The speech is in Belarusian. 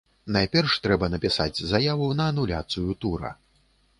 Найперш, трэба напісаць заяву на ануляцыю тура.